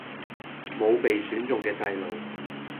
無被選中嘅細路